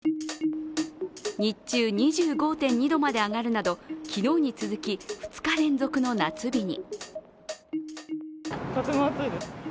日中２５．２度まで上がるなど、昨日に続き２日連続の夏日に。